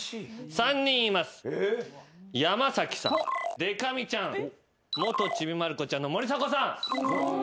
山さんでか美ちゃん元ちびまる子ちゃんの森迫さん。